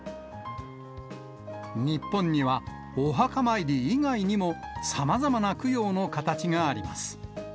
日本にはお墓参り以外にも、さまざまな供養の形があります。